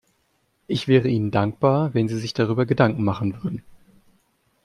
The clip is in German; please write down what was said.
Ich wäre Ihnen dankbar, wenn Sie sich darüber Gedanken machen würden.